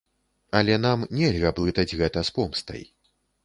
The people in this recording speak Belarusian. Але нам нельга блытаць гэта з помстай.